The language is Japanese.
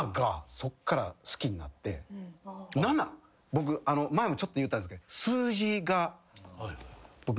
僕前もちょっと言ったんすけど。